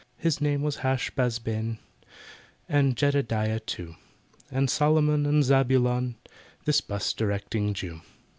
His name was HASH BAZ BEN, And JEDEDIAH too, And SOLOMON and ZABULON— This 'bus directing Jew.